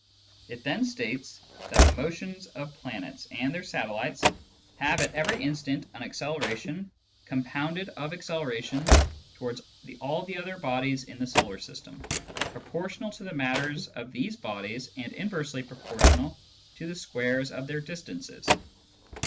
It then states that the motions of planets and their satellites have at every instant an acceleration compounded of accelerations towards all the other bodies in the solar system, proportional to the masses of those bodies and inversely proportional to the squares of their distances.